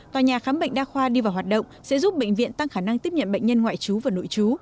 tòa nhà khám bệnh đa khoa đi vào hoạt động sẽ giúp bệnh viện tăng khả năng tiếp nhận bệnh nhân ngoại trú và nội trú